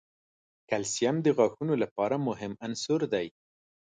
کلسیم د غاښونو لپاره مهم عنصر دی.